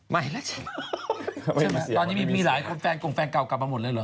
ไม่แล้วฉันไม่มีเสียงตอนนี้มีมีหลายคนแฟนกลุ่มแฟนเก่ากลับมาหมดเลยเหรอ